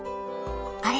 あれ？